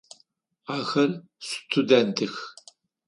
Ахэр сутудэнтых.